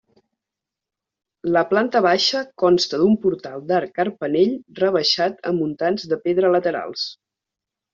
La planta baixa consta d'un portal d'arc carpanell rebaixat amb muntants de pedra laterals.